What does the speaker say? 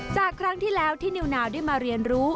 ครั้งที่แล้วที่นิวนาวได้มาเรียนรู้